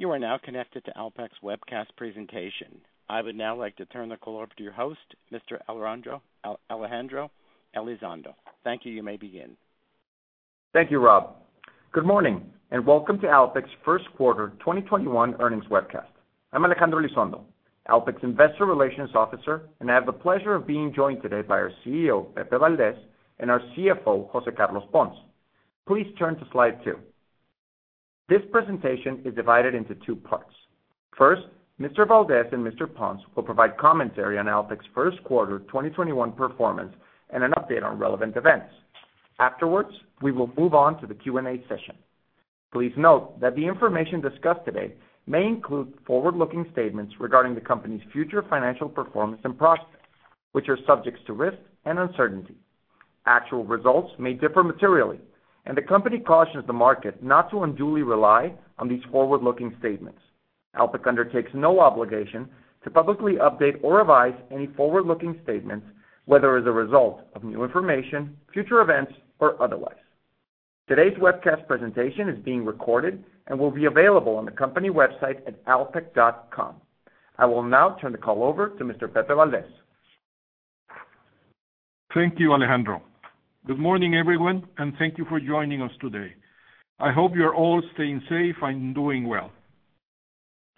You are now connected to Alpek's webcast presentation. I would now like to turn the call over to your host, Mr. Alejandro Elizondo. Thank you. You may begin. Thank you, Rob. Good morning, and welcome to Alpek's first quarter 2021 earnings webcast. I'm Alejandro Elizondo, Alpek's Investor Relations Officer, and I have the pleasure of being joined today by our CEO, Pepe Valdez, and our CFO, José Carlos Pons. Please turn to slide two. This presentation is divided into two parts. First, Mr. Valdez and Mr. Pons will provide commentary on Alpek's first quarter 2021 performance and an update on relevant events. Afterwards, we will move on to the Q&A session. Please note that the information discussed today may include forward-looking statements regarding the company's future financial performance and prospects, which are subject to risk and uncertainty. Actual results may differ materially, and the company cautions the market not to unduly rely on these forward-looking statements. Alpek undertakes no obligation to publicly update or revise any forward-looking statements, whether as a result of new information, future events, or otherwise. Today's webcast presentation is being recorded and will be available on the company website at alpek.com. I will now turn the call over to Mr. Pepe Valdez. Thank you, Alejandro. Good morning, everyone, thank you for joining us today. I hope you're all staying safe and doing well.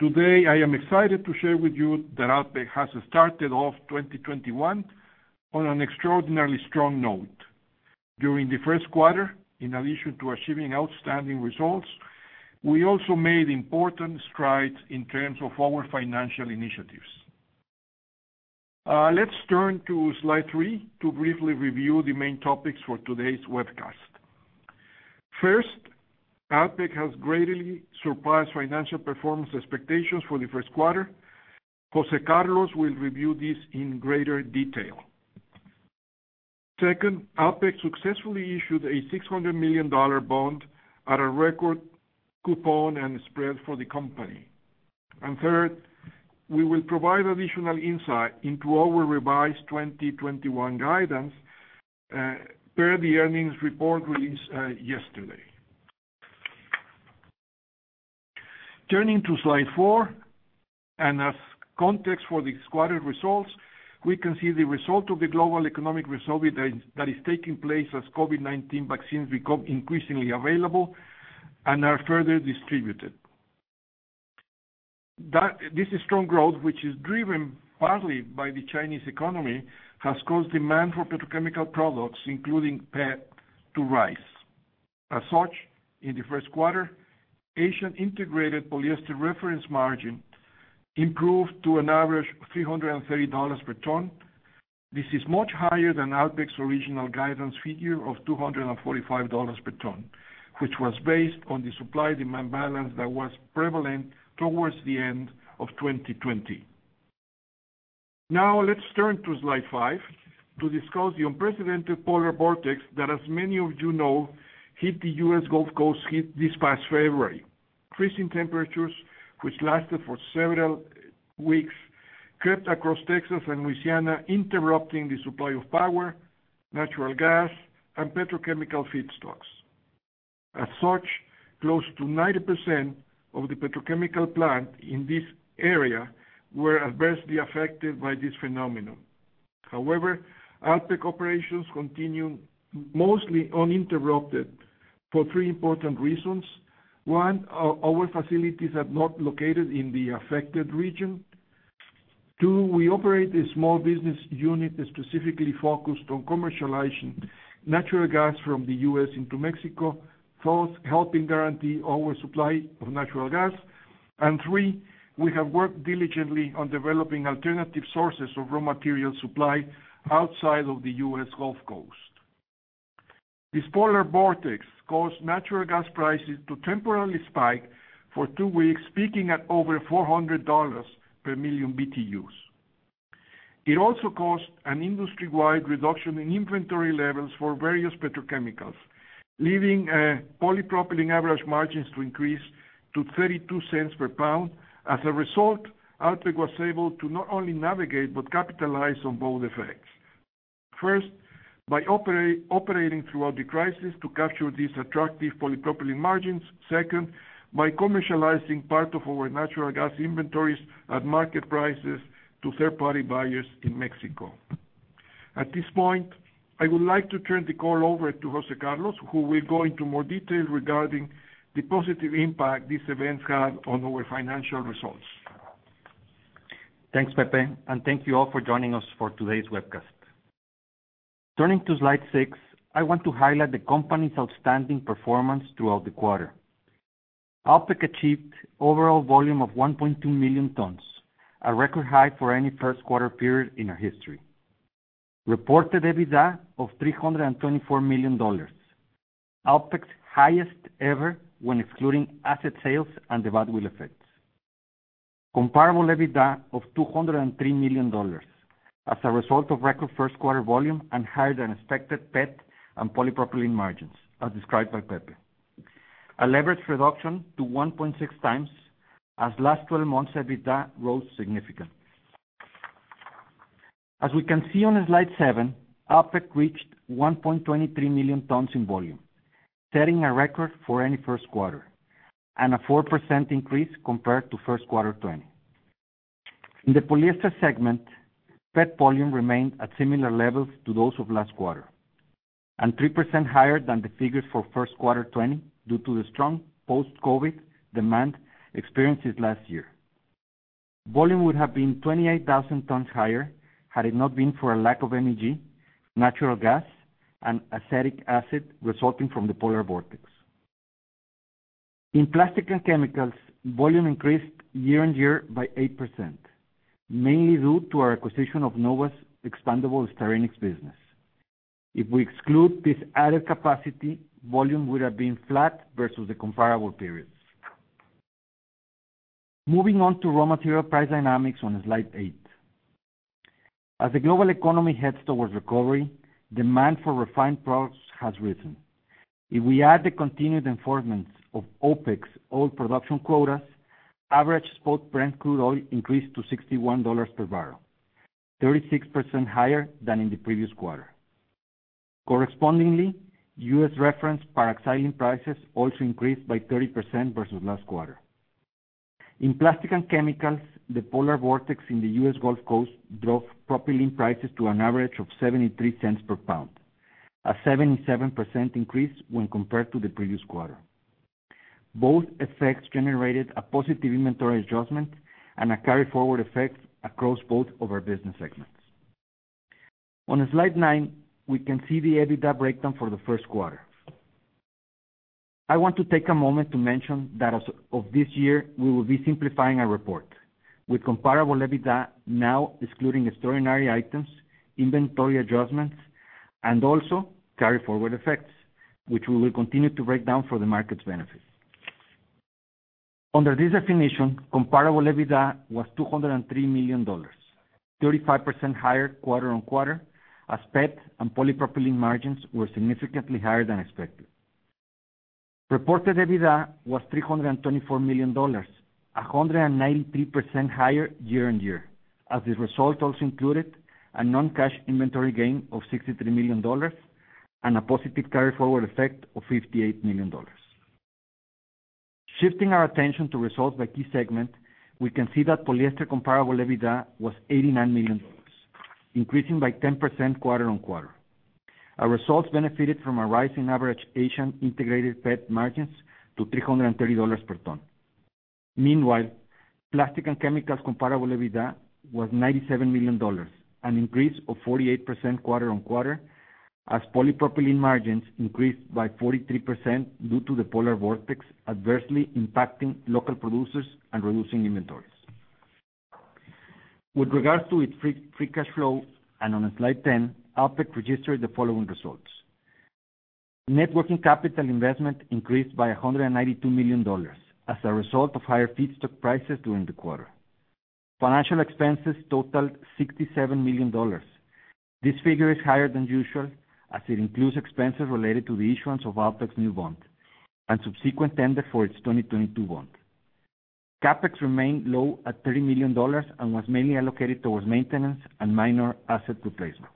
Today, I am excited to share with you that Alpek has started off 2021 on an extraordinarily strong note. During the first quarter, in addition to achieving outstanding results, we also made important strides in terms of our financial initiatives. Let's turn to slide three to briefly review the main topics for today's webcast. First, Alpek has greatly surpassed financial performance expectations for the first quarter. José Carlos will review this in greater detail. Second, Alpek successfully issued a $600 million bond at a record coupon and spread for the company. Third, we will provide additional insight into our revised 2021 guidance, per the earnings report released yesterday. Turning to slide four, and as context for these quarter results, we can see the result of the global economic [result] that is taking place as COVID-19 vaccines become increasingly available and are further distributed. This strong growth, which is driven partly by the Chinese economy, has caused demand for petrochemical products, including PET, to rise. In the first quarter, Asian integrated polyester reference margin improved to an average $330/ton. This is much higher than Alpek's original guidance figure of $245/ton, which was based on the supply-demand balance that was prevalent towards the end of 2020. Let's turn to slide five to discuss the unprecedented polar vortex that, as many of you know, hit the U.S. Gulf Coast this past February. Increasing temperatures, which lasted for several weeks, crept across Texas and Louisiana, interrupting the supply of power, natural gas, and petrochemical feedstocks. Close to 90% of the petrochemical plants in this area were adversely affected by this phenomenon. However, Alpek operations continued mostly uninterrupted for three important reasons. One, our facilities are not located in the affected region. Two, we operate a small business unit that is specifically focused on commercializing natural gas from the U.S. into Mexico, thus helping guarantee our supply of natural gas. Three, we have worked diligently on developing alternative sources of raw material supply outside of the U.S. Gulf Coast. This polar vortex caused natural gas prices to temporarily spike for two weeks, peaking at over $400/MMBtu. It also caused an industry-wide reduction in inventory levels for various petrochemicals, leaving polypropylene average margins to increase to $0.32/lb. As a result, Alpek was able to not only navigate, but capitalize on both effects. First, by operating throughout the crisis to capture these attractive polypropylene margins. Second, by commercializing part of our natural gas inventories at market prices to third-party buyers in Mexico. At this point, I would like to turn the call over to José Carlos, who will go into more detail regarding the positive impact these events had on our financial results. Thanks, Pepe, and thank you all for joining us for today's webcast. Turning to slide six, I want to highlight the company's outstanding performance throughout the quarter. Alpek achieved overall volume of 1.2 million tons, a record high for any first quarter period in our history. Reported EBITDA of $324 million, Alpek's highest ever when excluding asset sales and the goodwill effects. Comparable EBITDA of $203 million as a result of record first quarter volume and higher-than-expected PET and polypropylene margins, as described by Pepe. A leverage reduction to 1.6x as last 12 months EBITDA rose significantly. As we can see on slide seven, Alpek reached 1.23 million tons in volume, setting a record for any first quarter, and a 4% increase compared to first quarter 2020. In the polyester segment, PET volume remained at similar levels to those of last quarter, and 3% higher than the figures for first quarter 2020, due to the strong post-COVID demand experienced this last year. Volume would have been 28,000 tons higher had it not been for a lack of energy, natural gas, and acetic acid resulting from the polar vortex. In plastic and chemicals, volume increased year-on-year by 8%, mainly due to our acquisition of NOVA's Expandable Styrenics business. If we exclude this added capacity, volume would have been flat versus the comparable periods. Moving on to raw material price dynamics on slide eight. As the global economy heads towards recovery, demand for refined products has risen. If we add the continued enforcement of OPEC's oil production quotas, average spot Brent crude oil increased to $61/bbl, 36% higher than in the previous quarter. Correspondingly, U.S. reference paraxylene prices also increased by 30% versus last quarter. In plastic and chemicals, the polar vortex in the U.S. Gulf Coast drove propylene prices to an average of $0.73/lb, a 77% increase when compared to the previous quarter. Both effects generated a positive inventory adjustment and a carry-forward effect across both of our business segments. On slide nine, we can see the EBITDA breakdown for the first quarter. I want to take a moment to mention that as of this year, we will be simplifying our report. With comparable EBITDA now excluding extraordinary items, inventory adjustments, and also carry-forward effects, which we will continue to break down for the market's benefit. Under this definition, comparable EBITDA was $203 million, 35% higher quarter-on-quarter, as PET and polypropylene margins were significantly higher than expected. Reported EBITDA was $324 million, 193% higher year-on-year, as this result also included a non-cash inventory gain of $63 million and a positive carry-forward effect of $58 million. Shifting our attention to results by key segment, we can see that polyester comparable EBITDA was $89 million, increasing by 10% quarter-on-quarter. Our results benefited from a rise in average Asian integrated PET margins to $330/ton. Meanwhile, plastic and chemicals comparable EBITDA was $97 million, an increase of 48% quarter-on-quarter, as polypropylene margins increased by 43% due to the polar vortex adversely impacting local producers and reducing inventories. With regards to its free cash flow, and on slide 10, Alpek registered the following results. Net working capital investment increased by $192 million as a result of higher feedstock prices during the quarter. Financial expenses totaled $67 million. This figure is higher than usual, as it includes expenses related to the issuance of Alpek's new bond and subsequent tender for its 2022 bond. CapEx remained low at $30 million and was mainly allocated towards maintenance and minor asset replacements.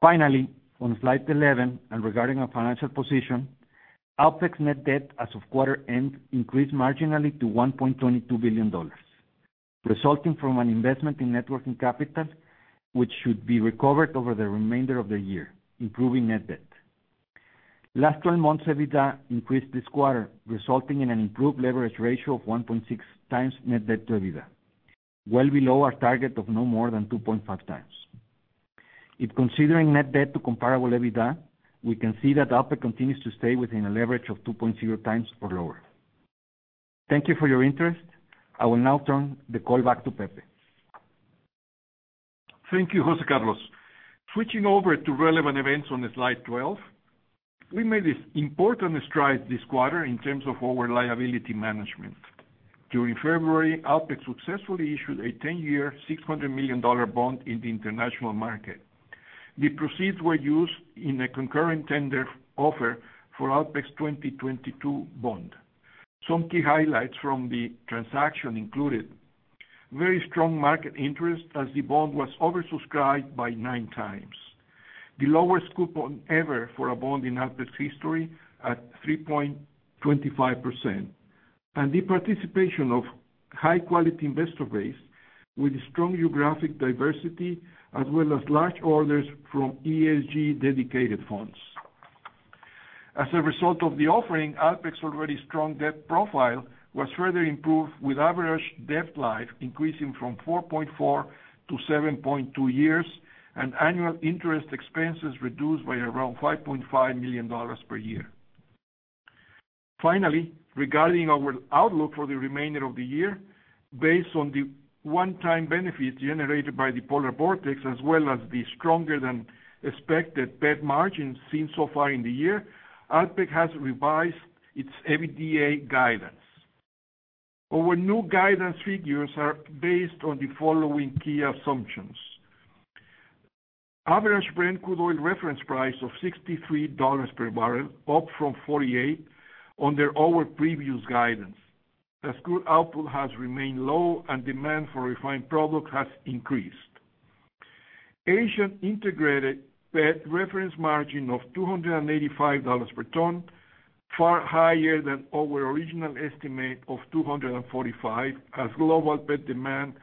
Finally, on slide 11, and regarding our financial position, Alpek's net debt as of quarter end increased marginally to $1.22 billion, resulting from an investment in net working capital, which should be recovered over the remainder of the year, improving net debt. Last 12 months EBITDA increased this quarter, resulting in an improved leverage ratio of 1.6x net debt to EBITDA, well below our target of no more than 2.5x. If considering net debt to comparable EBITDA, we can see that Alpek continues to stay within a leverage of 2.0x or lower. Thank you for your interest. I will now turn the call back to Pepe. Thank you, José Carlos. Switching over to relevant events on slide 12, we made important strides this quarter in terms of our liability management. During February, Alpek successfully issued a 10-year, $600 million bond in the international market. The proceeds were used in a concurrent tender offer for Alpek's 2022 bond. Some key highlights from the transaction included very strong market interest, as the bond was oversubscribed by nine times. The lowest coupon ever for a bond in Alpek's history at 3.25%. The participation of high-quality investor base with strong geographic diversity, as well as large orders from ESG-dedicated funds. As a result of the offering, Alpek's already strong debt profile was further improved with average debt life increasing from 4.4 years to 7.2 years, and annual interest expenses reduced by around $5.5 million per year. Finally, regarding our outlook for the remainder of the year, based on the one-time benefit generated by the polar vortex, as well as the stronger-than-expected PET margins seen so far in the year, Alpek has revised its EBITDA guidance. Our new guidance figures are based on the following key assumptions. Average Brent crude oil reference price of $63/bbl, up from $48 under our previous guidance, as crude output has remained low and demand for refined products has increased. Asian integrated PET reference margin of $285/ton, far higher than our original estimate of $245, as global PET demand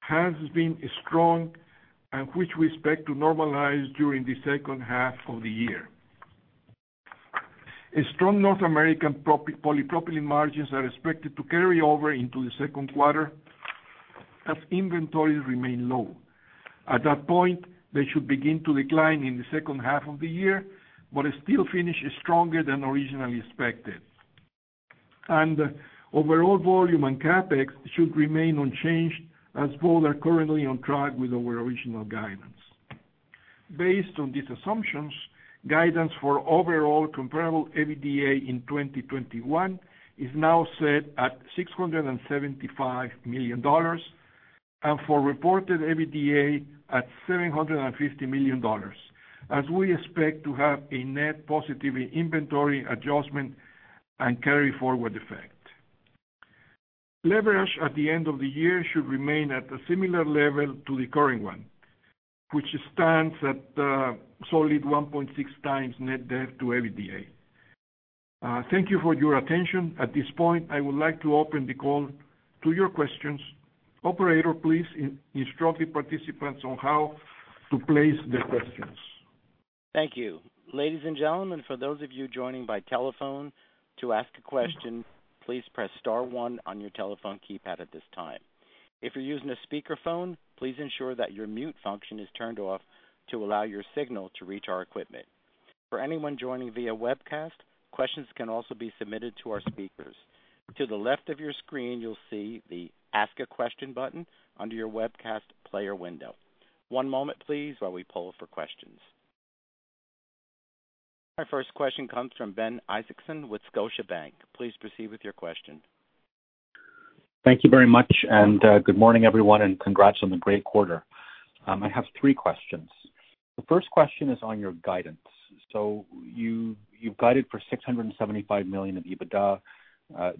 has been strong, and which we expect to normalize during the second half of the year. A strong North American polypropylene margins are expected to carry over into the second quarter as inventories remain low. At that point, they should begin to decline in the second half of the year, but still finish stronger than originally expected. Overall volume and CapEx should remain unchanged as both are currently on track with our original guidance. Based on these assumptions, guidance for overall comparable EBITDA in 2021 is now set at $675 million, and for reported EBITDA at $750 million, as we expect to have a net positive inventory adjustment and carry-forward effect. Leverage at the end of the year should remain at a similar level to the current one, which stands at a solid 1.6x net debt to EBITDA. Thank you for your attention. At this point, I would like to open the call to your questions. Operator, please instruct the participants on how to place their questions. Thank you. Ladies and gentlemen, for those of you joining by telephone, to ask a question, please press star one on your telephone keypad at this time. If you're using a speakerphone, please ensure that your mute function is turned off to allow your signal to reach our equipment. For anyone joining via webcast, questions can also be submitted to our speakers. To the left of your screen, you'll see the Ask a Question button under your webcast player window. One moment, please, while we poll for questions. Our first question comes from Ben Isaacson with Scotiabank. Please proceed with your question. Thank you very much. Good morning, everyone, and congrats on the great quarter. I have three questions. The first question is on your guidance. You've guided for $675 million of EBITDA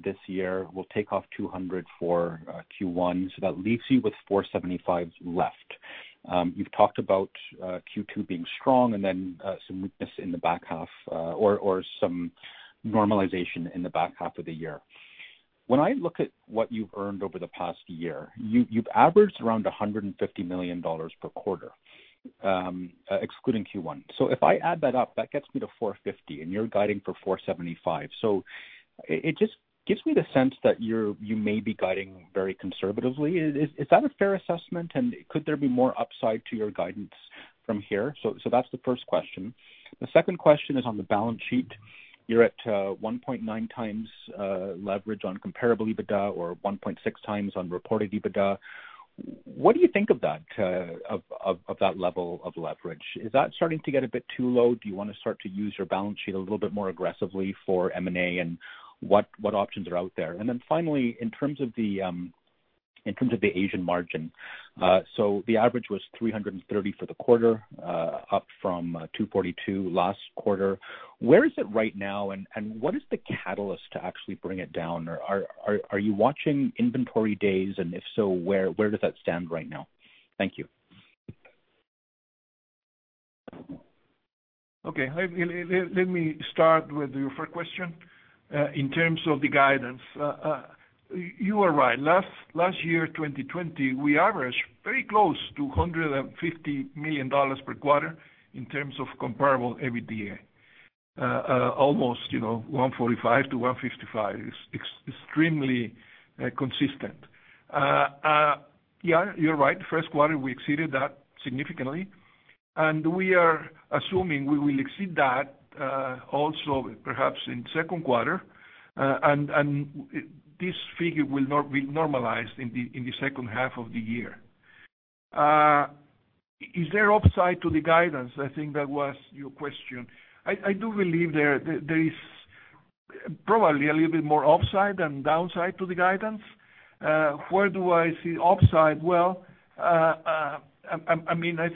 this year. We'll take off $200 million for Q1, that leaves you with $475 million left. You've talked about Q2 being strong and then some weakness in the back half or some normalization in the back half of the year. When I look at what you've earned over the past year, you've averaged around $150 million per quarter, excluding Q1. If I add that up, that gets me to $450 million, and you're guiding for $475 million. It just gives me the sense that you may be guiding very conservatively. Is that a fair assessment, and could there be more upside to your guidance from here? That's the first question. The second question is on the balance sheet. You're at 1.9x leverage on comparable EBITDA, or 1.6x on reported EBITDA. What do you think of that level of leverage? Is that starting to get a bit too low? Do you want to start to use your balance sheet a little bit more aggressively for M&A, and what options are out there? Finally, in terms of the Asian margin. The average was $330 for the quarter, up from $242 last quarter. Where is it right now, and what is the catalyst to actually bring it down? Or are you watching inventory days, and if so, where does that stand right now? Thank you. Okay. Let me start with your first question. In terms of the guidance, you are right. Last year, 2020, we averaged very close to $150 million per quarter in terms of comparable EBITDA. Almost $145 million-$155 million. It is extremely consistent. Yeah, you are right. First quarter, we exceeded that significantly, and we are assuming we will exceed that also perhaps in second quarter, and this figure will normalize in the second half of the year. Is there upside to the guidance? I think that was your question. I do believe there is probably a little bit more upside than downside to the guidance. Where do I see upside? Well, I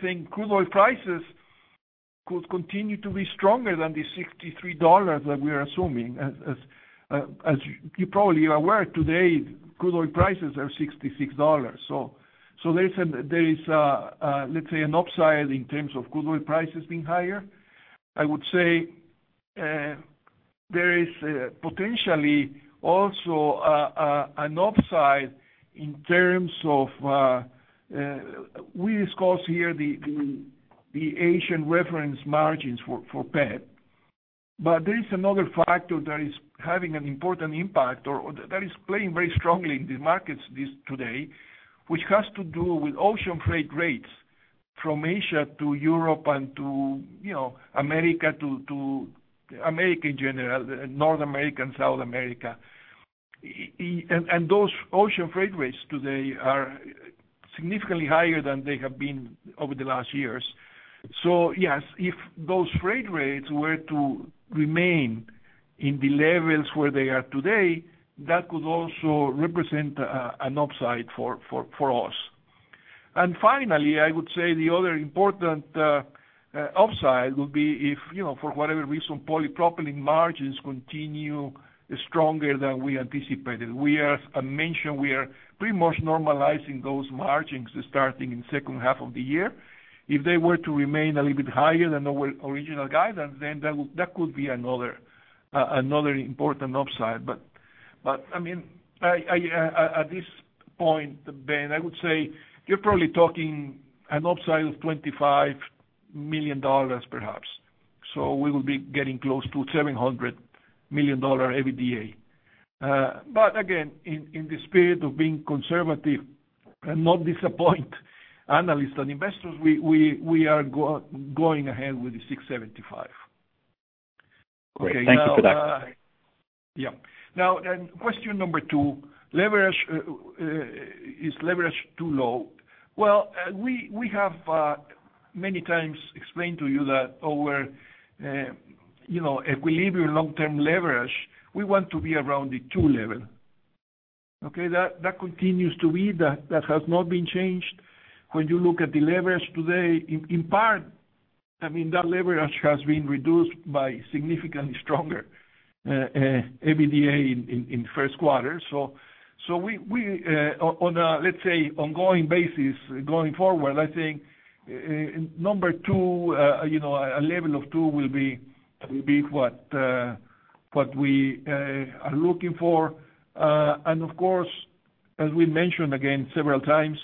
think crude oil prices could continue to be stronger than the $63 that we are assuming. As you probably are aware, today, crude oil prices are $66. There is, let's say, an upside in terms of crude oil prices being higher. I would say there is potentially also an upside in terms of, we discussed here the Asian reference margins for PET. There is another factor that is having an important impact or that is playing very strongly in the markets today, which has to do with ocean freight rates from Asia to Europe and to America in general, North America and South America. Those ocean freight rates today are significantly higher than they have been over the last years. Yes, if those freight rates were to remain in the levels where they are today, that could also represent an upside for us. Finally, I would say the other important upside would be if, for whatever reason, polypropylene margins continue stronger than we anticipated. As I mentioned, we are pretty much normalizing those margins starting in second half of the year. If they were to remain a little bit higher than our original guidance, that could be another important upside. At this point, Ben, I would say you're probably talking an upside of $25 million, perhaps. We will be getting close to $700 million EBITDA. Again, in the spirit of being conservative and not disappoint analysts and investors, we are going ahead with the $675 million. Great. Thank you for that. Yeah. Question number two, is leverage too low? We have many times explained to you that our equilibrium long-term leverage, we want to be around the two level, okay? That continues to be. That has not been changed. When you look at the leverage today, in part, that leverage has been reduced by significantly stronger EBITDA in first quarter. On a, let's say, ongoing basis going forward, I think number two, a level of two will be what we are looking for. Of course, as we mentioned again several times,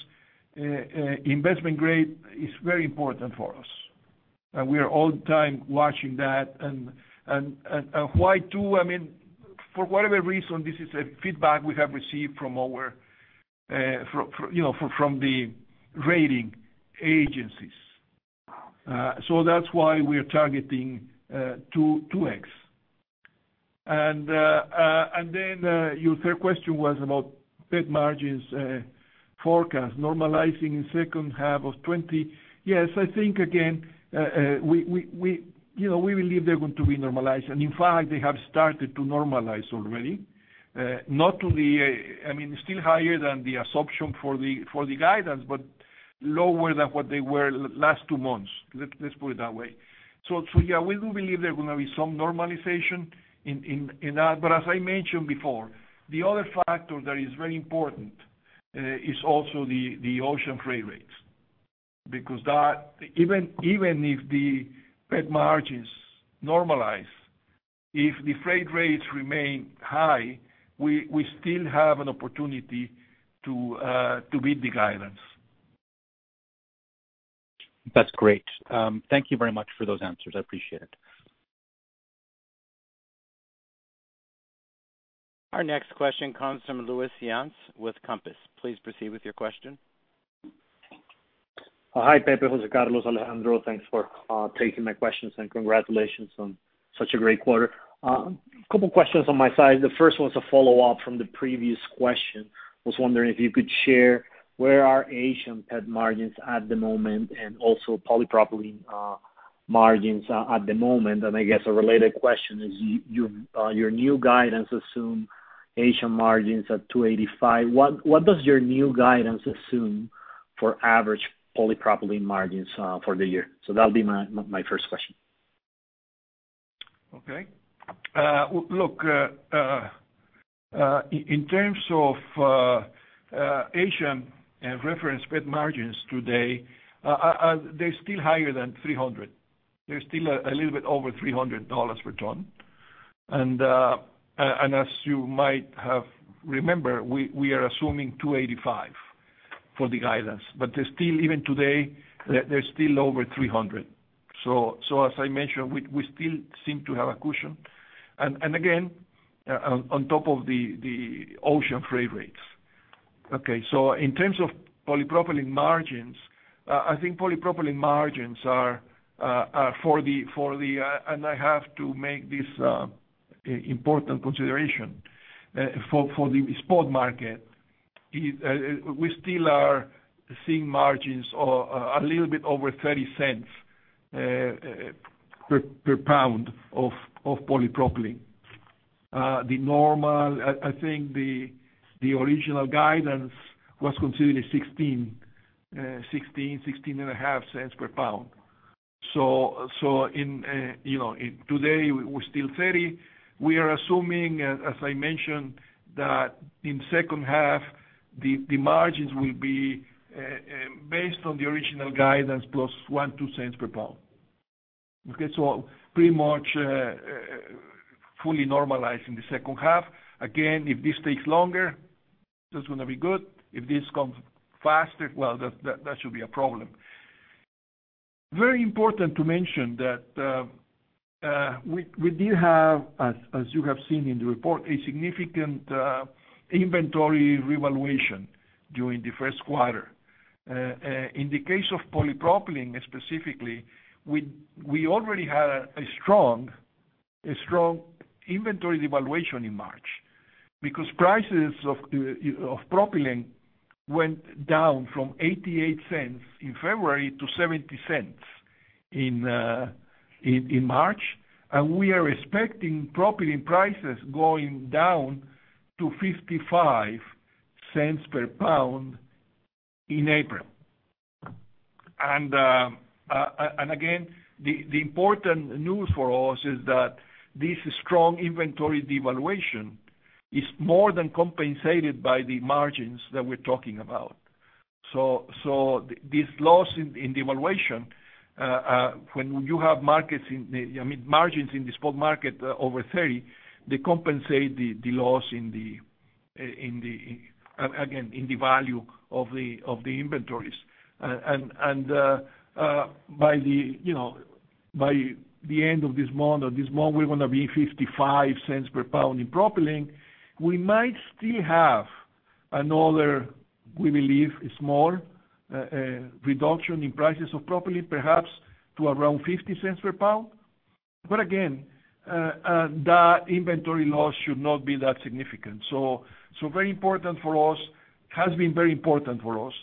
investment grade is very important for us. We are all the time watching that. Why two? For whatever reason, this is a feedback we have received from the rating agencies. That's why we're targeting 2x. Your third question was about PET margins forecast normalizing in second half of 2020. Yes, I think again, we believe they're going to be normalized. In fact, they have started to normalize already. Still higher than the assumption for the guidance, but lower than what they were last two months. Let's put it that way. Yeah, we do believe there are going to be some normalization in that. As I mentioned before, the other factor that is very important is also the ocean freight rates. Even if the PET margins normalize, if the freight rates remain high, we still have an opportunity to beat the guidance. That's great. Thank you very much for those answers. I appreciate it. Our next question comes from Luis Yance with Compass. Please proceed with your question. Hi, Pepe, José Carlos, Alejandro. Thanks for taking my questions, and congratulations on such a great quarter. Couple questions on my side. The first one's a follow-up from the previous question. Was wondering if you could share where are Asian PET margins at the moment, and also polypropylene margins at the moment. I guess a related question is, your new guidance assume Asian margins at $285. What does your new guidance assume for average polypropylene margins for the year? That'll be my first question. In terms of Asian reference PET margins today, they're still higher than $300. They're still a little bit over $300/ton. As you might have remembered, we are assuming $285 for the guidance. They're still, even today, they're still over $300. As I mentioned, we still seem to have a cushion. Again, on top of the ocean freight rates. In terms of polypropylene margins, I think polypropylene margins are for the, and I have to make this important consideration, for the spot market, we still are seeing margins a little bit over $0.30/lb of polypropylene. The normal, I think the original guidance was considered a $0.16/lb-$0.165/lb. Today, we're still $0.30. We are assuming, as I mentioned, that in second half, the margins will be based on the original guidance +$0.01/lb-$0.02/lb, okay. Pretty much fully normalized in the second half. Again, if this takes longer, that's going to be good. If this comes faster, well, that should be a problem. Very important to mention that we did have, as you have seen in the report, a significant inventory revaluation during the first quarter. In the case of polypropylene specifically, we already had a strong inventory valuation in March. Prices of propylene went down from $0.88 in February to $0.70 in March. We are expecting propylene prices going down to $0.55/lb in April. Again, the important news for us is that this strong inventory devaluation is more than compensated by the margins that we're talking about. This loss in devaluation, when you have margins in the spot market over 30%, they compensate the loss, again, in the value of the inventories. By the end of this month, we're going to be $0.55/lb in propylene. We might still have another, we believe, a small reduction in prices of propylene, perhaps to around $0.50/lb. Again, that inventory loss should not be that significant. Has been very important for us,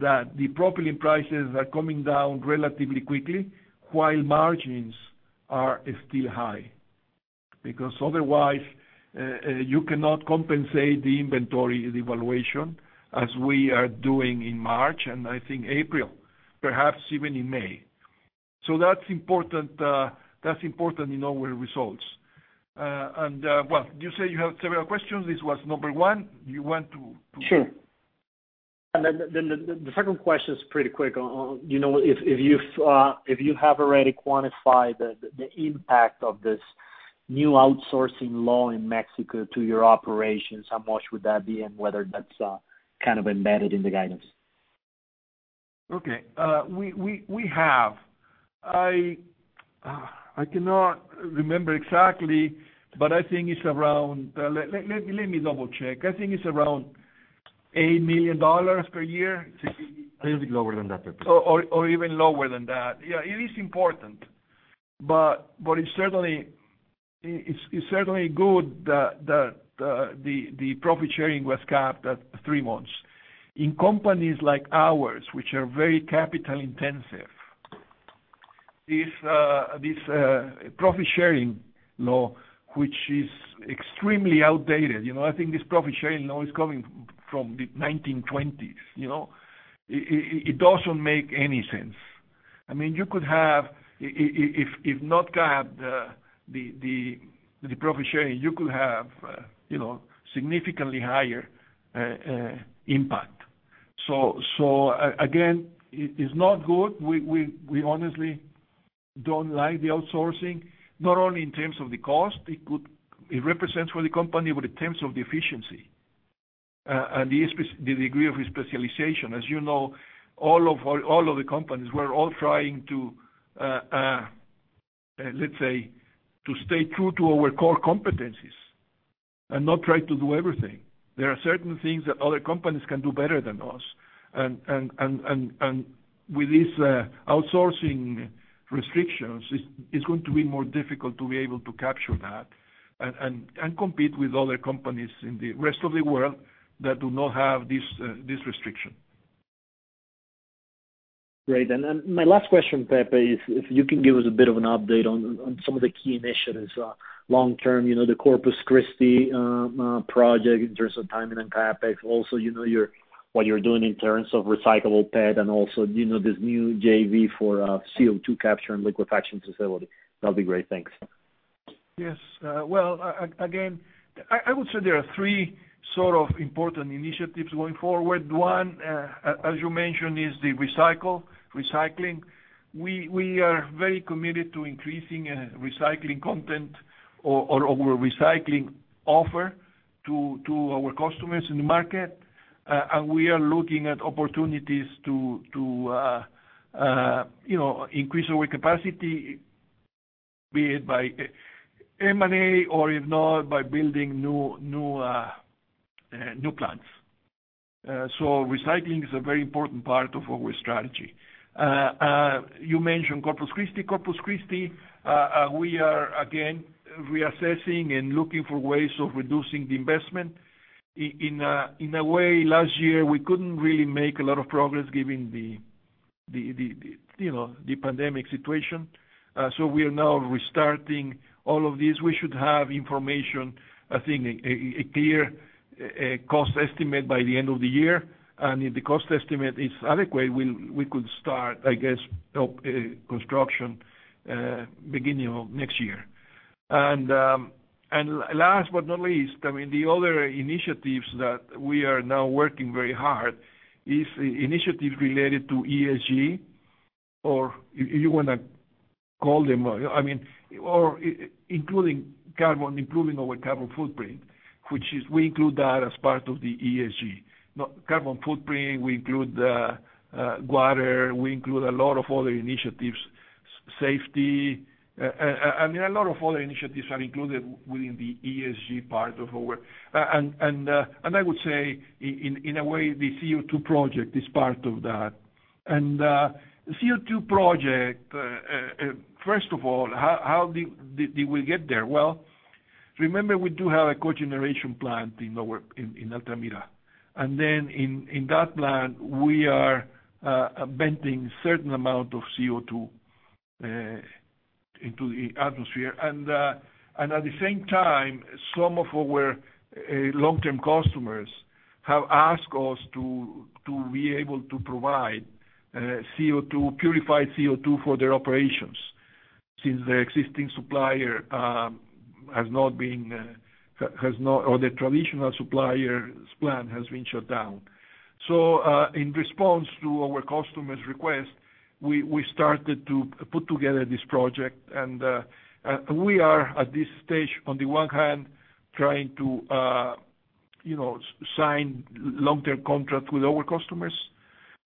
that the propylene prices are coming down relatively quickly while margins are still high. Otherwise, you cannot compensate the inventory devaluation as we are doing in March, and I think April, perhaps even in May. That's important in our results. Well, you say you have several questions. This was number one. Sure. The second question's pretty quick. If you have already quantified the impact of this new outsourcing law in Mexico to your operations, how much would that be, and whether that's kind of embedded in the guidance? Okay. We have. I cannot remember exactly, but I think it's around. Let me double-check. I think it's around $8 million per year. A little bit lower than that, Pepe. Even lower than that. Yeah, it is important. But it's certainly good that the profit-sharing was capped at three months. In companies like ours, which are very capital intensive, this profit-sharing law, which is extremely outdated. I think this profit-sharing law is coming from the 1920s. It doesn't make any sense. If not capped, the profit-sharing, you could have significantly higher impact. Again, it's not good. We honestly don't like the outsourcing, not only in terms of the cost it represents for the company, but in terms of the efficiency. The degree of specialization. As you know, all of the companies, we're all trying to, let's say, stay true to our core competencies and not try to do everything. There are certain things that other companies can do better than us. With these outsourcing restrictions, it's going to be more difficult to be able to capture that and compete with other companies in the rest of the world that do not have this restriction. Great. My last question, Pepe, is if you can give us a bit of an update on some of the key initiatives long term, the Corpus Christi project in terms of timing and CapEx. Also, what you're doing in terms of recyclable PET and also this new JV for CO2 capture and liquefaction facility. That'd be great. Thanks. Yes. Well, again, I would say there are three sort of important initiatives going forward. One, as you mentioned, is the recycling. We are very committed to increasing recycling content or our recycling offer to our customers in the market. We are looking at opportunities to increase our capacity, be it by M&A or if not, by building new plants. Recycling is a very important part of our strategy. You mentioned Corpus Christi. Corpus Christi, we are again reassessing and looking for ways of reducing the investment. In a way, last year, we couldn't really make a lot of progress given the pandemic situation. We are now restarting all of this. We should have information, I think, a clear cost estimate by the end of the year. If the cost estimate is adequate, we could start, I guess, construction beginning of next year. Last but not least, the other initiatives that we are now working very hard is initiatives related to ESG, or if you want to call them, including our carbon footprint, which we include that as part of the ESG. Carbon footprint, we include water, we include a lot of other initiatives, safety. A lot of other initiatives are included within the ESG. I would say, in a way, the CO2 project is part of that. The CO2 project, first of all, how did we get there? Well, remember, we do have a cogeneration plant in Altamira. Then in that plant, we are venting a certain amount of CO2 into the atmosphere. At the same time, some of our long-term customers have asked us to be able to provide purified CO2 for their operations, since their existing supplier, or the traditional supplier's plan, has been shut down. In response to our customers' request, we started to put together this project. We are at this stage, on the one hand, trying to sign long-term contract with our customers.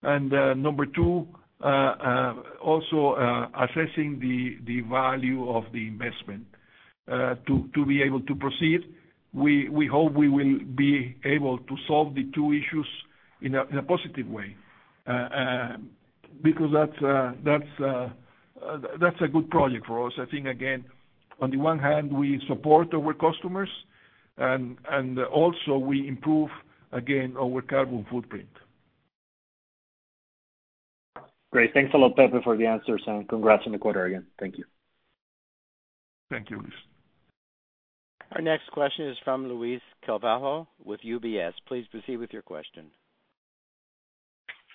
Number two, also assessing the value of the investment to be able to proceed. We hope we will be able to solve the two issues in a positive way, because that's a good project for us. I think, again, on the one hand, we support our customers, and also we improve, again, our carbon footprint. Great. Thanks a lot, Pepe, for the answers, and congrats on the quarter again. Thank you. Thank you, Luis. Our next question is from Luiz Carvalho with UBS. Please proceed with your question.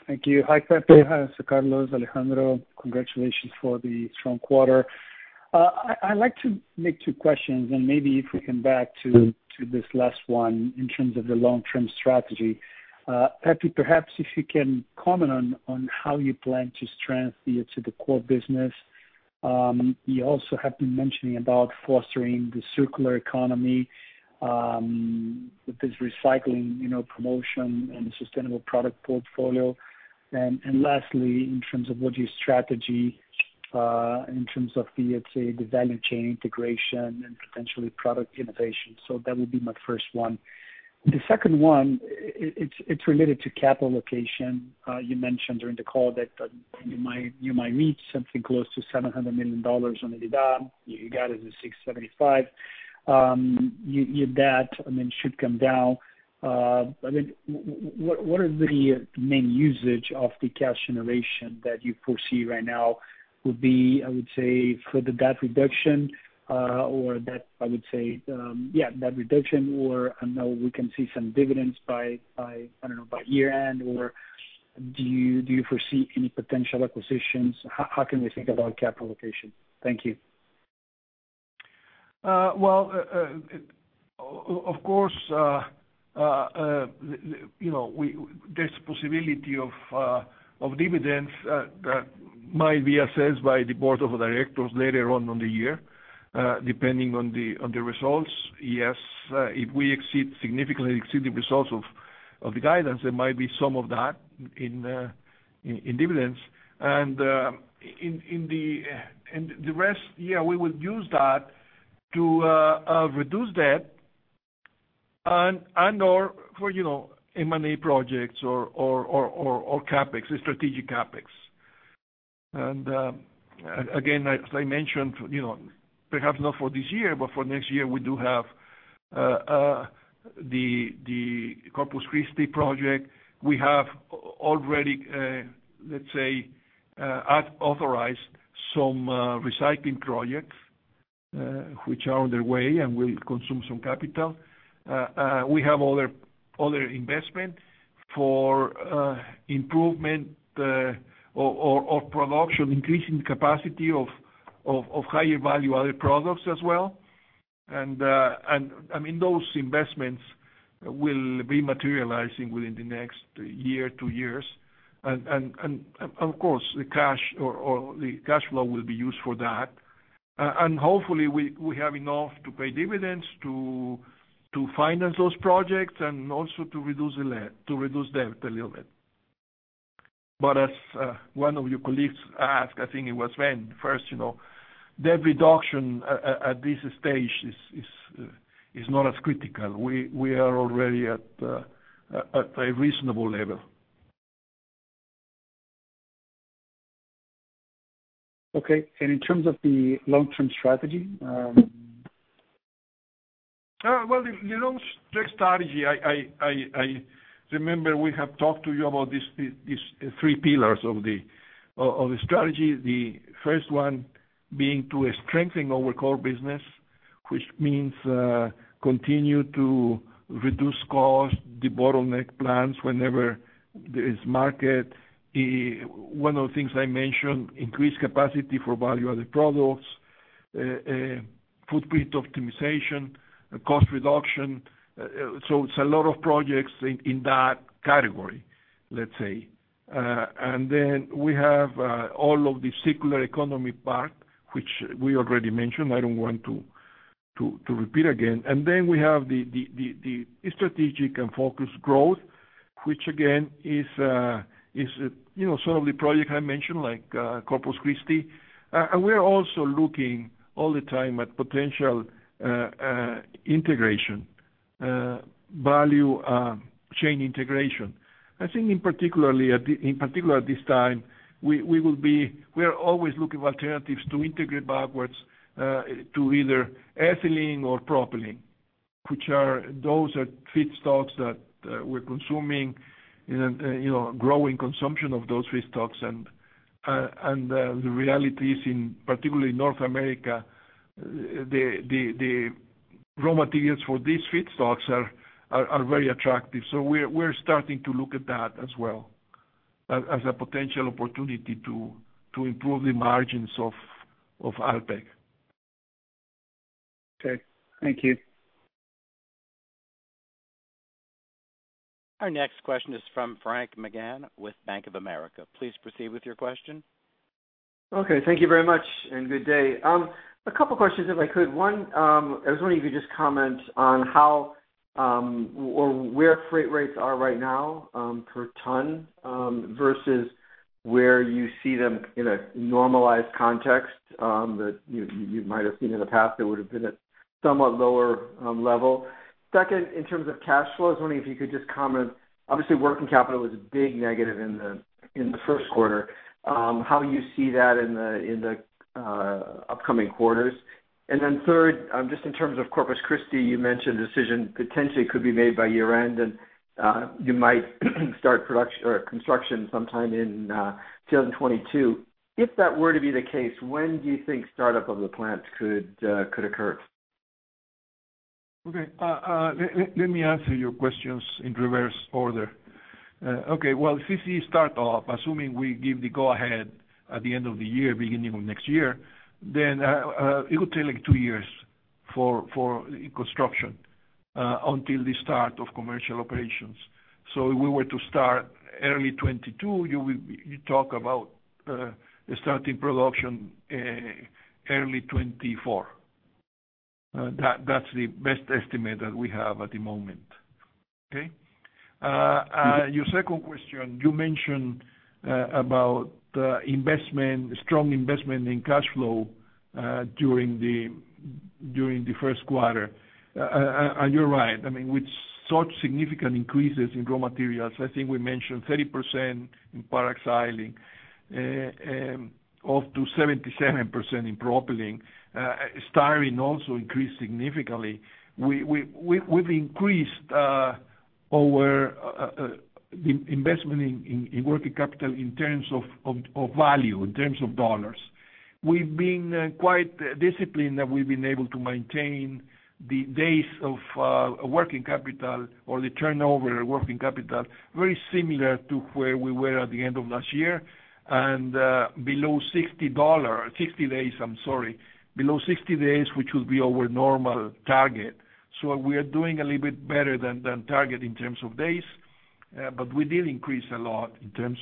Thank you. Hi, Pepe. Hi, José Carlos, Alejandro. Congratulations for the strong quarter. I'd like to make two questions, and maybe if we come back to this last one in terms of the long-term strategy. Pepe, perhaps if you can comment on how you plan to strengthen to the core business. You also have been mentioning about fostering the circular economy, with this recycling promotion and sustainable product portfolio. Lastly, in terms of what your strategy, in terms of the value chain integration and potentially product innovation. That would be my first one. The second one, it's related to capital allocation. You mentioned during the call that you might reach something close to $700 million on EBITDA. You got it to $675 million. Your debt should come down. What are the main usage of the cash generation that you foresee right now will be, I would say, for the debt reduction or, I know we can see some dividends by, I don't know, by year-end? Do you foresee any potential acquisitions? How can we think about capital allocation? Thank you. Well, of course, there's possibility of dividends that might be assessed by the board of directors later on in the year, depending on the results. Yes, if we significantly exceed the results of the guidance, there might be some of that in dividends. The rest, yeah, we would use that to reduce debt and/or for M&A projects or strategic CapEx. Again, as I mentioned, perhaps not for this year, but for next year, we do have the Corpus Christi project. We have already, let's say, authorized some recycling projects, which are on their way and will consume some capital. We have other investment for improvement of production, increasing capacity of higher value added products as well. Those investments will be materializing within the next year, two years. Of course, the cash flow will be used for that. Hopefully, we have enough to pay dividends to finance those projects and also to reduce debt a little bit. As one of your colleagues asked, I think it was Ben first, debt reduction at this stage is not as critical. We are already at a reasonable level. Okay, in terms of the long-term strategy? Well, the long-term strategy, I remember we have talked to you about these three pillars of the strategy. The first one being to strengthen our core business, which means continue to reduce costs, debottleneck plants whenever there is market. One of the things I mentioned, increase capacity for value-added products, footprint optimization, cost reduction. It's a lot of projects in that category, let's say. Then we have all of the circular economy part, which we already mentioned. I don't want to repeat again. Then we have the strategic and focused growth, which again, is some of the project I mentioned, like Corpus Christi. We are also looking all the time at potential integration, value chain integration. I think in particular at this time, we are always looking for alternatives to integrate backwards to either ethylene or propylene. Those are feedstocks that we're consuming in a growing consumption of those feedstocks. The reality is, particularly in North America, the raw materials for these feedstocks are very attractive. We're starting to look at that as well as a potential opportunity to improve the margins of Alpek. Okay. Thank you. Our next question is from Frank McGann with Bank of America. Please proceed with your question. Okay. Thank you very much, good day. A couple questions, if I could. One, I was wondering if you could just comment on how or where freight rates are right now, per ton, versus where you see them in a normalized context, that you might have seen in the past, that would've been at somewhat lower level. Second, in terms of cash flows, I was wondering if you could just comment. Obviously, working capital was a big negative in the first quarter, how you see that in the upcoming quarters. Third, just in terms of Corpus Christi, you mentioned a decision potentially could be made by year-end, and you might start construction sometime in 2022. If that were to be the case, when do you think startup of the plant could occur? Let me answer your questions in reverse order. Okay. Well, if you see a startup, assuming we give the go-ahead at the end of the year, beginning of next year, then it would take two years for construction until the start of commercial operations. If we were to start early 2022, you talk about starting production early 2024. That's the best estimate that we have at the moment. Okay? Your second question, you mentioned about strong investment in cash flow during the first quarter. You're right. I mean, with such significant increases in raw materials, I think we mentioned 30% in paraxylene, up to 77% in propylene. Styrene also increased significantly. We've increased our investment in working capital in terms of value, in terms of dollars. We've been quite disciplined, that we've been able to maintain the days of working capital or the turnover working capital, very similar to where we were at the end of last year, below 60 days. Below 60 days, which would be our normal target. We are doing a little bit better than target in terms of days. We did increase a lot in terms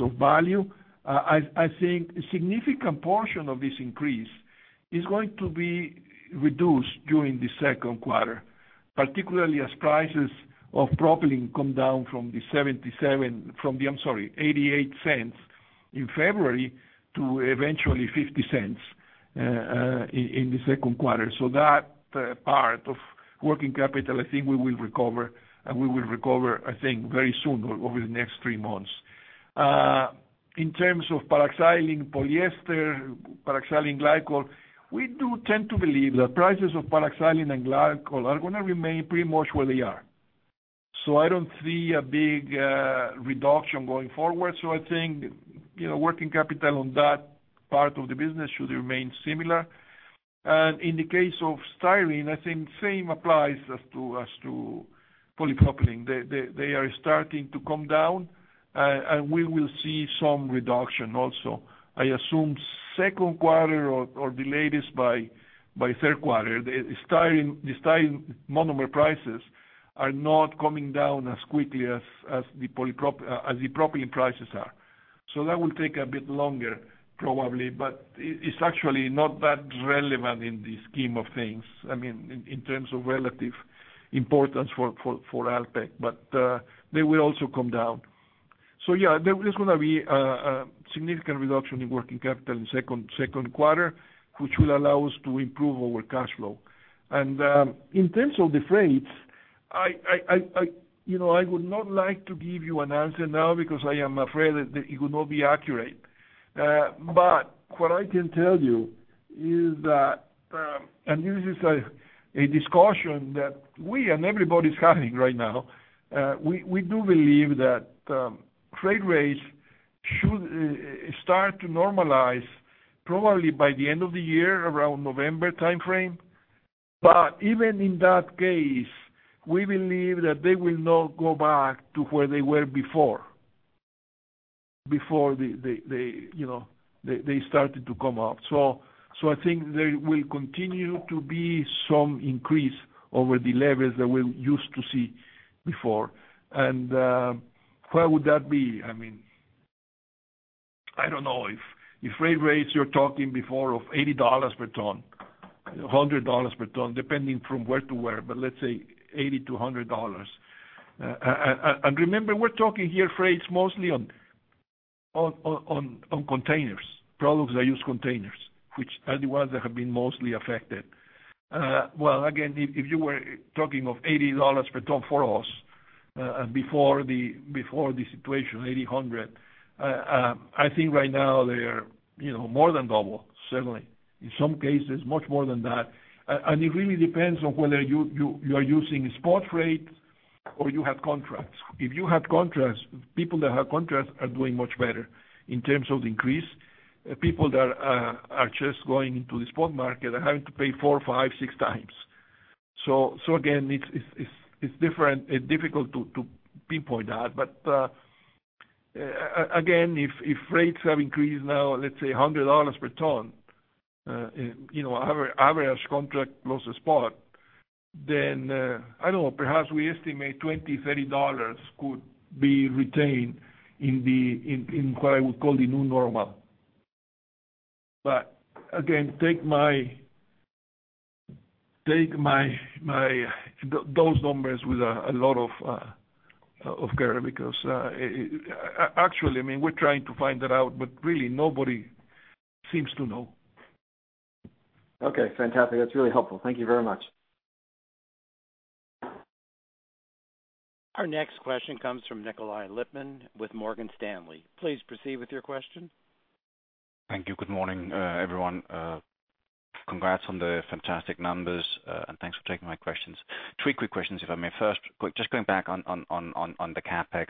of value. I think a significant portion of this increase is going to be reduced during the second quarter. Particularly as prices of propylene come down from the $0.88 in February to eventually $0.50 in the second quarter. That part of working capital, I think we will recover. We will recover, I think, very soon, over the next three months. In terms of paraxylene, polyester, paraxylene glycol, we do tend to believe that prices of paraxylene and glycol are going to remain pretty much where they are. I don't see a big reduction going forward. I think working capital on that part of the business should remain similar. In the case of styrene, I think the same applies as to polypropylene. They are starting to come down, and we will see some reduction also. I assume second quarter or the latest by third quarter. The styrene monomer prices are not coming down as quickly as the propylene prices are. That will take a bit longer probably. It's actually not that relevant in the scheme of things. I mean, in terms of relative importance for Alpek. They will also come down. Yeah, there is going to be a significant reduction in working capital in second quarter, which will allow us to improve our cash flow. In terms of the freights, I would not like to give you an answer now because I am afraid that it would not be accurate. What I can tell you is that, and this is a discussion that we and everybody's having right now. We do believe that freight rates should start to normalize probably by the end of the year, around November timeframe. Even in that case, we believe that they will not go back to where they were before, before they started to come up. I think there will continue to be some increase over the levels that we used to see before. Where would that be? I mean, I don't know. If freight rates you're talking before of $80/ton, $100/ton, depending from where to where, but let's say $80-$100. Remember, we're talking here freights mostly on containers, products that use containers, which are the ones that have been mostly affected. If you were talking of $80/ton for us before the situation, $80-$100. I think right now they are more than double, certainly. In some cases, much more than that. It really depends on whether you are using spot rate or you have contracts. If you have contracts, people that have contracts are doing much better in terms of the increase. People that are just going into the spot market are having to pay four, five, six times. Again, it's different. It's difficult to pinpoint that. Again, if rates have increased now, let's say $100/ton, average contract versus spot, then I don't know, perhaps we estimate $20, $30 could be retained in what I would call the new normal. Again, take those numbers with a lot of care, because actually, we're trying to find that out, but really nobody seems to know. Okay, fantastic. That's really helpful. Thank you very much. Our next question comes from Nikolaj Lippmann with Morgan Stanley. Please proceed with your question. Thank you. Good morning, everyone. Congrats on the fantastic numbers, and thanks for taking my questions. Three quick questions, if I may. First, just going back on the CapEx.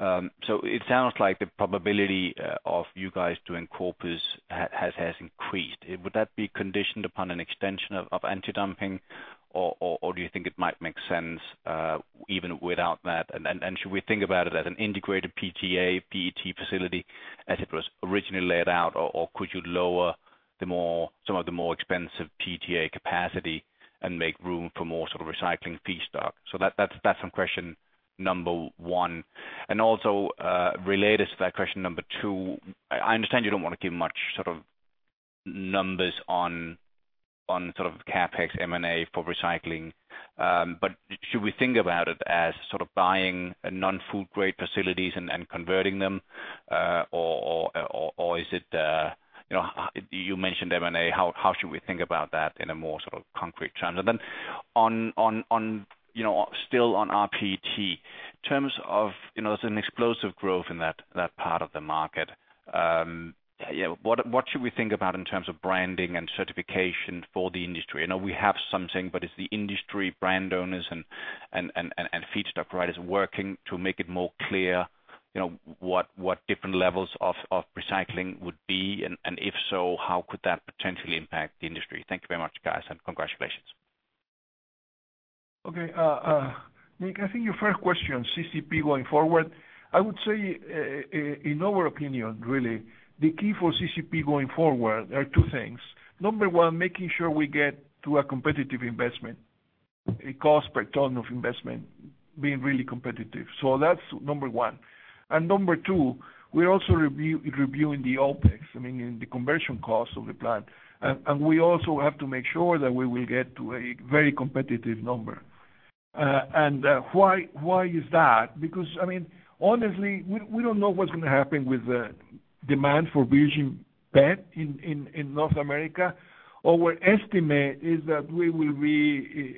It sounds like the probability of you guys doing Corpus has increased. Would that be conditioned upon an extension of anti-dumping, or do you think it might make sense even without that? Should we think about it as an integrated PTA, PET facility as it was originally laid out, or could you lower some of the more expensive PTA capacity and make room for more sort of recycling feedstock? That's on question number one. Also related to that, question number two, I understand you don't want to give much sort of numbers on sort of CapEx M&A for recycling. Should we think about it as sort of buying non-food grade facilities and converting them? You mentioned M&A, how should we think about that in a more sort of concrete term? Still on rPET, in terms of, there's an explosive growth in that part of the market. What should we think about in terms of branding and certification for the industry? I know we have something, but it's the industry brand owners and feedstock providers working to make it more clear what different levels of recycling would be, and if so, how could that potentially impact the industry? Thank you very much, guys, and congratulations. Okay. Nik, I think your first question, CCP going forward, I would say, in our opinion really, the key for CCP going forward are two things. Number one, making sure we get to a competitive investment, a cost per ton of investment being really competitive. That's number one. Number two, we're also reviewing the OpEx, the conversion cost of the plant. We also have to make sure that we will get to a very competitive number. Why is that? Because honestly, we don't know what's going to happen with the demand for virgin PET in North America. Our estimate is that we will be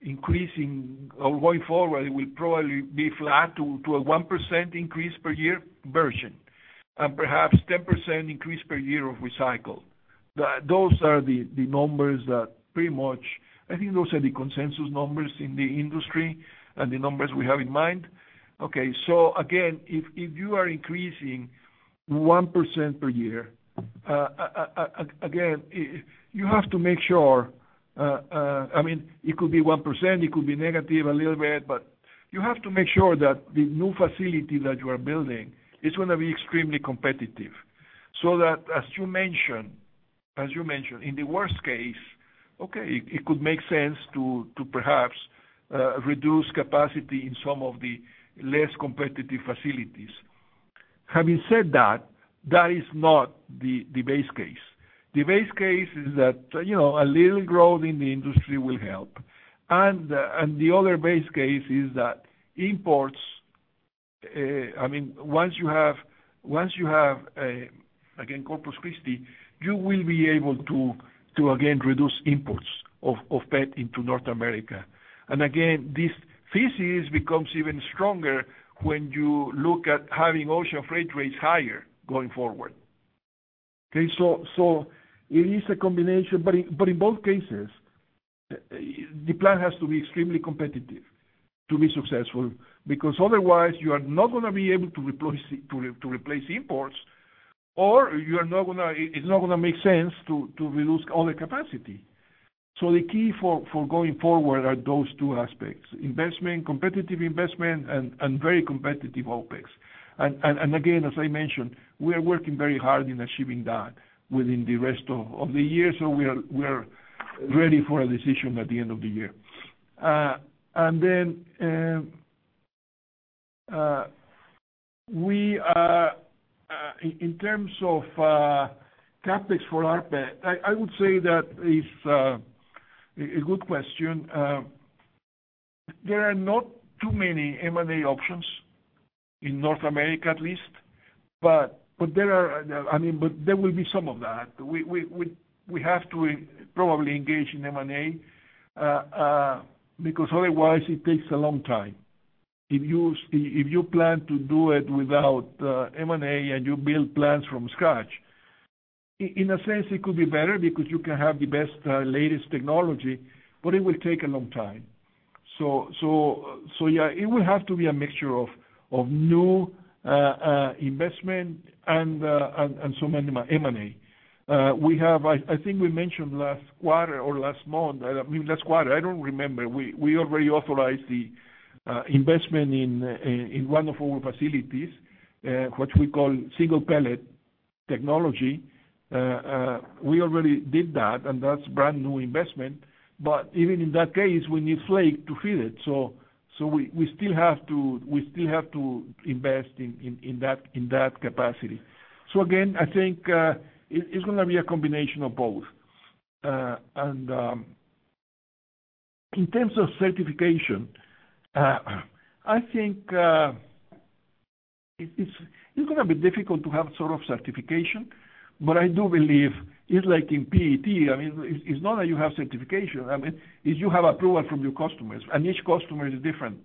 increasing, or going forward, it will probably be flat to a 1% increase per year virgin, and perhaps 10% increase per year of recycled. Those are the numbers that I think those are the consensus numbers in the industry and the numbers we have in mind. Okay, again, if you are increasing 1% per year, you have to make sure. It could be 1%, it could be negative a little bit, you have to make sure that the new facility that you are building is going to be extremely competitive. That, as you mentioned, in the worst case, okay, it could make sense to perhaps reduce capacity in some of the less competitive facilities. Having said that is not the base case. The base case is that a little growth in the industry will help. The other base case is that imports, once you have, again, Corpus Christi, you will be able to again reduce imports of PET into North America. Again, this thesis becomes even stronger when you look at having ocean freight rates higher going forward. It is a combination, but in both cases, the plan has to be extremely competitive to be successful. Otherwise, you are not going to be able to replace imports, or it's not going to make sense to reduce all the capacity. The key for going forward are those two aspects, investment, competitive investment, and very competitive OpEx. Again, as I mentioned, we are working very hard in achieving that within the rest of the year. We are ready for a decision at the end of the year. In terms of CapEx for rPET, I would say that is a good question. There are not too many M&A options in North America at least. There will be some of that. We have to probably engage in M&A, because otherwise it takes a long time. If you plan to do it without M&A, and you build plants from scratch, in a sense, it could be better because you can have the best latest technology, but it will take a long time. Yeah, it will have to be a mixture of new investment and some M&A. I think we mentioned last quarter or last month, maybe last quarter, I don't remember. We already authorized the investment in one of our facilities, what we call Single Pellet Technology. We already did that. That's brand-new investment. Even in that case, we need flake to feed it. We still have to invest in that capacity. Again, I think it's going to be a combination of both. In terms of certification, I think it's going to be difficult to have sort of certification. I do believe it's like in PET. It's not that you have certification. It's you have approval from your customers, and each customer is different.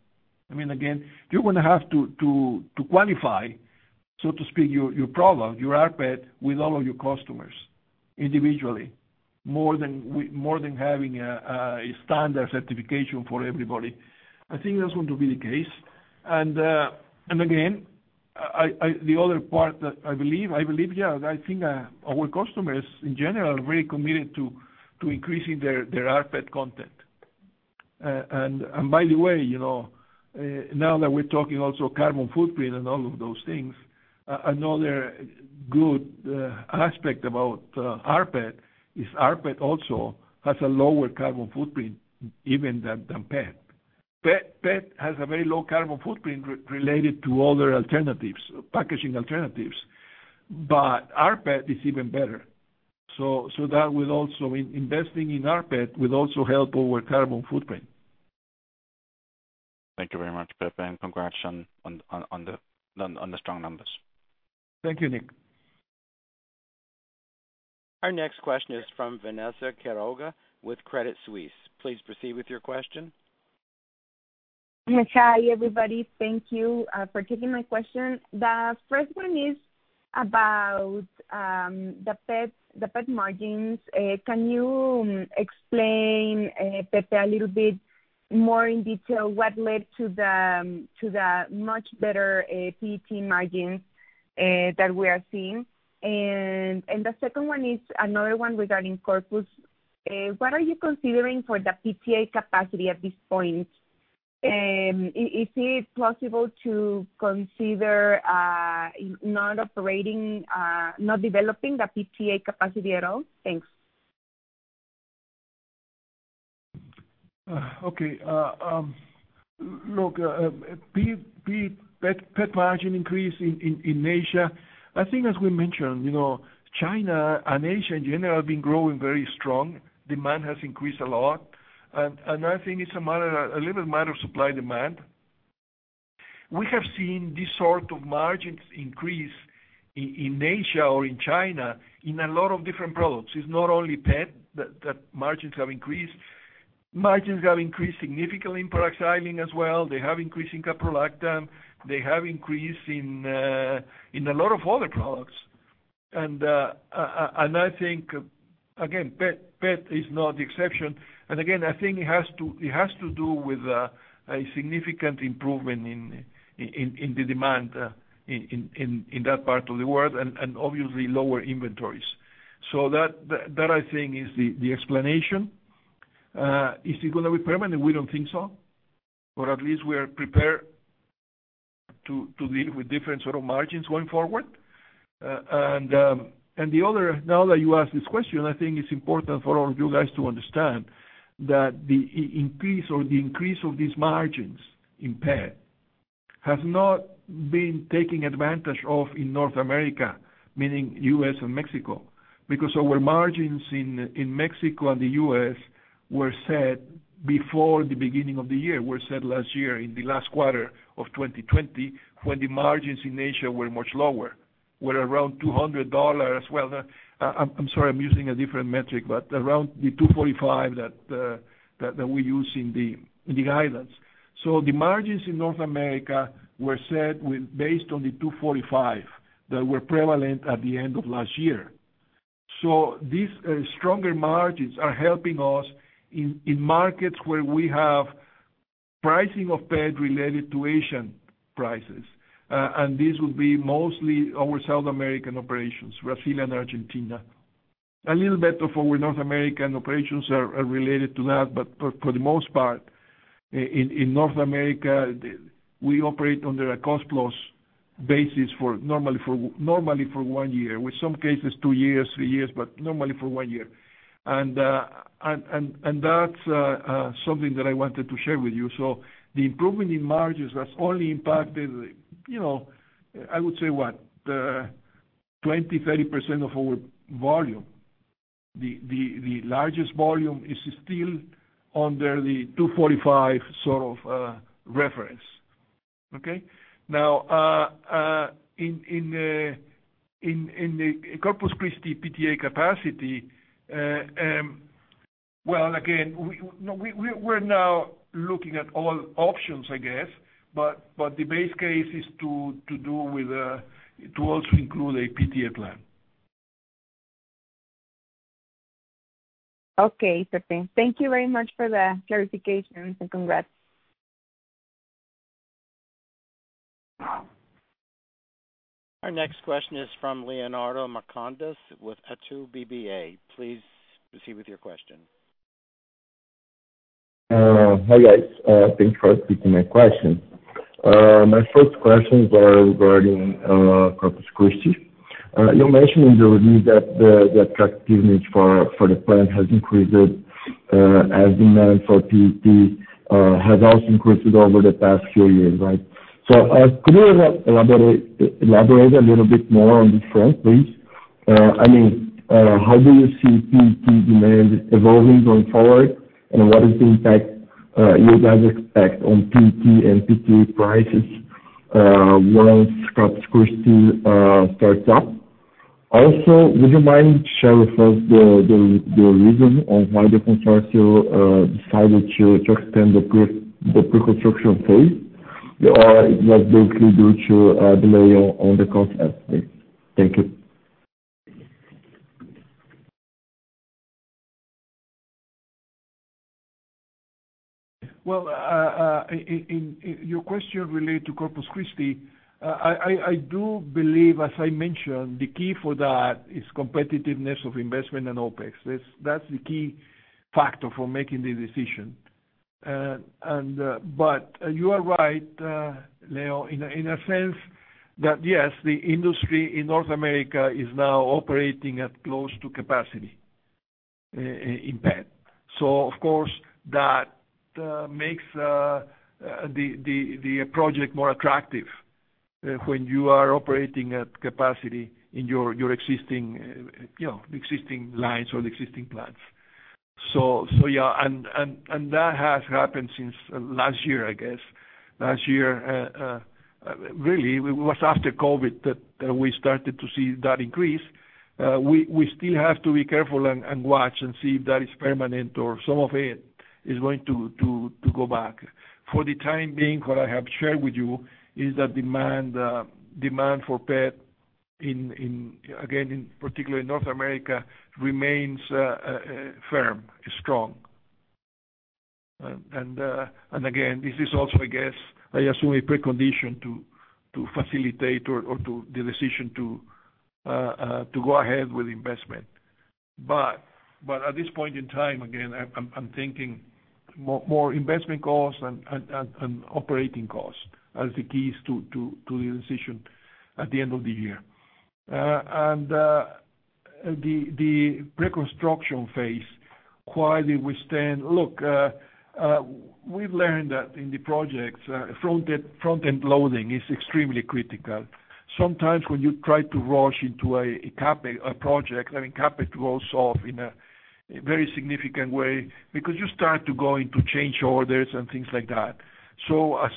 Again, you're going to have to qualify, so to speak, your product, your rPET with all of your customers individually, more than having a standard certification for everybody. I think that's going to be the case. Again, the other part that I believe, I think our customers in general are very committed to increasing their rPET content. By the way, now that we're talking also carbon footprint and all of those things, another good aspect about rPET is rPET also has a lower carbon footprint even than PET. PET has a very low carbon footprint related to other alternatives, packaging alternatives. rPET is even better. Investing in rPET will also help our carbon footprint. Thank you very much, Pepe, and congrats on the strong numbers. Thank you, Nik. Our next question is from Vanessa Quiroga with Credit Suisse. Please proceed with your question. Hi, everybody. Thank you for taking my question. The first one is about the PET margins. Can you explain, Pepe, a little bit more in detail what led to the much better PET margin that we are seeing? The second one is another one regarding Corpus. What are you considering for the PTA capacity at this point? Is it possible to consider not developing the PTA capacity at all? Thanks. Look, PET margin increase in Asia. I think as we mentioned, China and Asia in general have been growing very strong. Demand has increased a lot. I think it's a little matter of supply and demand. We have seen this sort of margins increase in Asia or in China in a lot of different products. It's not only PET that margins have increased. Margins have increased significantly in purified terephthalic acid as well. They have increased in caprolactam. They have increased in a lot of other products. I think, again, PET is not the exception. Again, I think it has to do with a significant improvement in the demand in that part of the world, and obviously lower inventories. That, I think, is the explanation. Is it going to be permanent? We don't think so. At least we are prepared to deal with different sort of margins going forward. Now that you ask this question, I think it's important for all of you guys to understand that the increase of these margins in PET has not been taken advantage of in North America, meaning U.S. and Mexico. Our margins in Mexico and the U.S. were set before the beginning of the year, were set last year in the last quarter of 2020, when the margins in Asia were much lower, were around $200. I'm sorry, I'm using a different metric, but around the $245 that we use in the guidance. The margins in North America were set based on the $245 that were prevalent at the end of last year. These stronger margins are helping us in markets where we have pricing of PET related to Asian prices. These would be mostly our South American operations, Brazil and Argentina. A little bit of our North American operations are related to that, but for the most part, in North America, we operate under a cost-plus basis normally for one year, with some cases two years, three years, but normally for one year. That's something that I wanted to share with you. The improvement in margins has only impacted, I would say, what? 20%, 30% of our volume. The largest volume is still under the $245 sort of reference. Okay? In the Corpus Christi PTA capacity, well, again, we're now looking at all options, I guess, but the base case is to also include a PTA plant. Okay. Perfect. Thank you very much for the clarification, and congrats. Our next question is from Leonardo Marcondes with Itaú BBA. Please proceed with your question. Hi, guys. Thanks for taking my question. My first question is regarding Corpus Christi. You mentioned in the release that the attractiveness for the plant has increased as demand for PET has also increased over the past few years, right? Could you elaborate a little bit more on this front, please? How do you see PET demand evolving going forward, and what is the impact you guys expect on PET and PTA prices once Corpus Christi starts up? Would you mind sharing with us the reason on why the consortium decided to extend the pre-construction phase? Was it due to delay on the cost aspect? Thank you. Well, your question related to Corpus Christi. I do believe, as I mentioned, the key for that is competitiveness of investment and OpEx. That's the key factor for making the decision. You are right, Leo, in a sense that, yes, the industry in North America is now operating at close to capacity in PET. Of course, that makes the project more attractive when you are operating at capacity in your existing lines or the existing plants. Yeah. That has happened since last year, I guess. Last year, really, it was after COVID that we started to see that increase. We still have to be careful and watch and see if that is permanent or if some of it is going to go back. For the time being, what I have shared with you is that demand for PET, again, particularly in North America, remains firm. It's strong. This is also, I guess, I assume, a precondition to facilitate the decision to go ahead with investment. At this point in time, again, I'm thinking more investment costs and operating costs as the keys to the decision at the end of the year. The pre-construction phase, why did we extend? Look, we've learned that in the projects, front-end loading is extremely critical. Sometimes when you try to rush into a project, I mean, CapEx goes off in a very significant way because you start to go into change orders and things like that.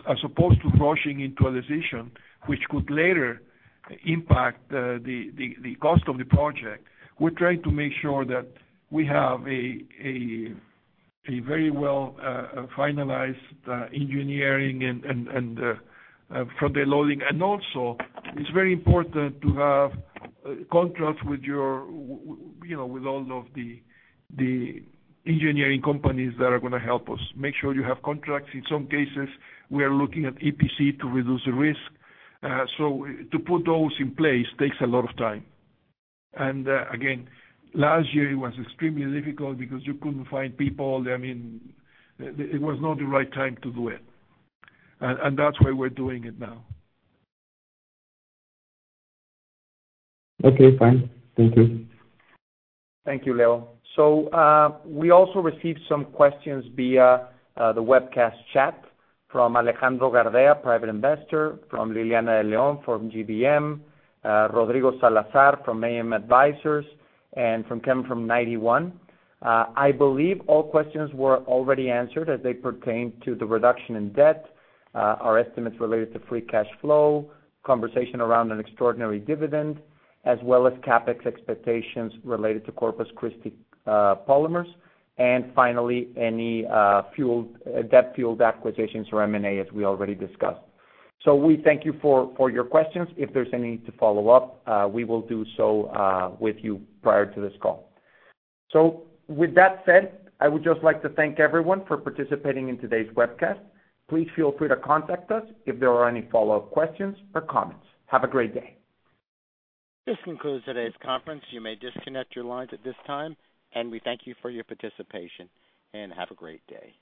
As opposed to rushing into a decision which could later impact the cost of the project, we're trying to make sure that we have a very well finalized engineering and front-end loading. Also, it's very important to have contracts with all of the engineering companies that are going to help us. Make sure you have contracts. In some cases, we are looking at EPC to reduce risk. To put those in place takes a lot of time. Again, last year it was extremely difficult because you couldn't find people. It was not the right time to do it. That's why we're doing it now. Okay, fine. Thank you. Thank you, Leo. We also received some questions via the webcast chat from Alejandro Gardea, private investor, from Liliana De León from GBM, Rodrigo Salazar from AM Advisors, and from Kevin from Ninety One. I believe all questions were already answered as they pertain to the reduction in debt, our estimates related to free cash flow, conversation around an extraordinary dividend, as well as CapEx expectations related to Corpus Christi Polymers, and finally, any debt-fueled acquisitions or M&A, as we already discussed. We thank you for your questions. If there's any need to follow up, we will do so with you prior to this call. With that said, I would just like to thank everyone for participating in today's webcast. Please feel free to contact us if there are any follow-up questions or comments. Have a great day. This concludes today's conference. You may disconnect your lines at this time, and we thank you for your participation and have a great day.